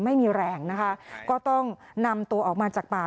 ไม่มีแรงนะคะก็ต้องนำตัวออกมาจากป่า